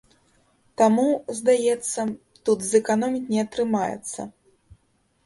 Таму, здаецца, тут зэканоміць не атрымаецца.